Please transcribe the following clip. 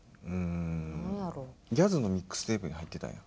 ギャズのミックステープに入ってたんや。